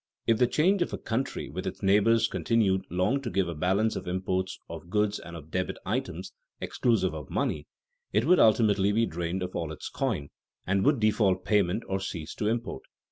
If the trade of a country with its neighbors continued long to give a balance of imports of goods and of debit items (exclusive of money) it would ultimately be drained of all its coin, and would default payment or cease to import.